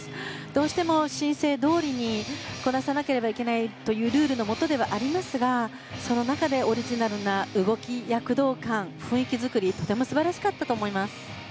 どうしても申請どおりにこなさなければいけないというルールのもとではありますがその中でオリジナルな動き躍動感雰囲気作り、とても素晴らしかったと思います。